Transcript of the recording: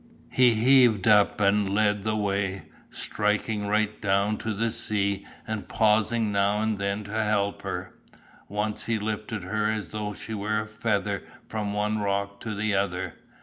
He heaved up and led the way, striking right down to the sea and pausing now and then to help her. Once he lifted her as though she were a feather from one rock to the other.